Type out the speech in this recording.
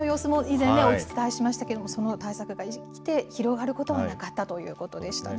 準備の様子も以前、お伝えしましたけれども、その対策が生きて、広がることはなかったということでしたね。